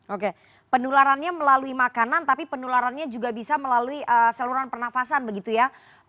oke penularannya melalui makanan tapi penularannya juga bisa melalui saluran pernafasan begitu ya